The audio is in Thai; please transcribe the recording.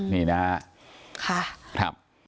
นี่นะครับค่ะ